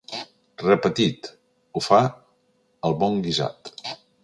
Repetit, ho fa el bon guisat.